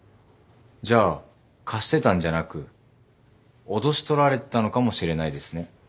じゃあ貸してたんじゃなく脅し取られてたのかもしれないですね。